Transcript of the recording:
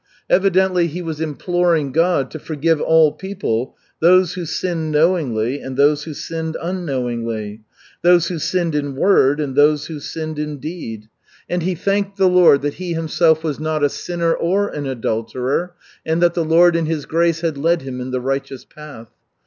Evidently he was imploring God to forgive all people, those who sinned knowingly, and those who sinned unknowingly; those who sinned in word and those who sinned in deed; and he thanked the Lord that he himself was not a sinner or an adulterer, and that the Lord in His grace had led him in the righteous path.